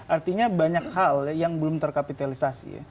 artinya banyak hal yang belum terkapitalisasi ya